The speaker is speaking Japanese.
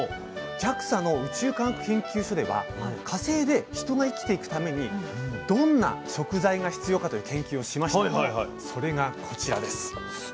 ＪＡＸＡの宇宙科学研究所では火星で人が生きていくためにどんな食材が必要かという研究をしましてそれがこちらです。